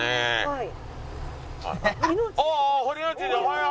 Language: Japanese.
はい。